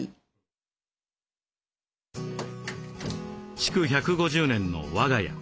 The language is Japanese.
築１５０年の「和がや」